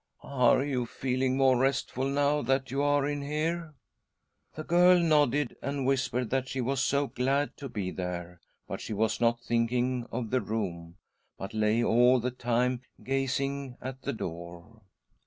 "Are you feeling more restful now that you are in here ?" The girl nodded, and whispered that she was so glad to be there ; but she was not thinking of the room, but lay all the time gazing at the door.